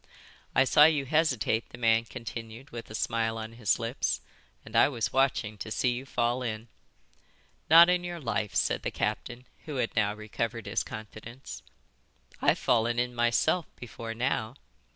"I saw you hesitate," the man continued, with a smile on his lips, "and I was watching to see you fall in." "Not on your life," said the captain, who had now recovered his confidence. "I've fallen in myself before now.